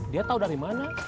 dia tahu dari mana